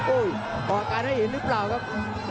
โอ้ออกอันให้เห็นรึเปล่าครับ